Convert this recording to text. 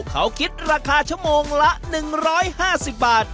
เขาคิดราคาชมละ๑๕๐บาท